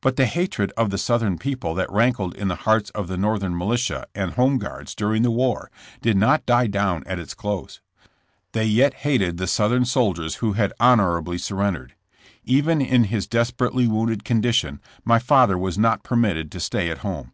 But the hatred of the Southern people that rankled in the hearts of the Northern militia and home guards during the war did not die down at its close. They yet hated the Southern soldiers who had honorably surrendered. Even in his desperately wounded condition my father was not permitted to stay at home.